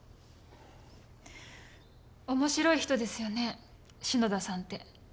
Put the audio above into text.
面白い人ですよね篠田さんって。